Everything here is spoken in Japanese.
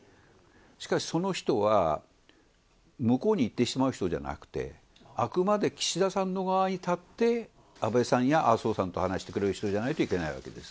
しかし、その人は向こうに行ってしまう人じゃなくて、あくまで岸田さんの側に立って、安倍さんや麻生さんと話してくれる人じゃないといけないわけです。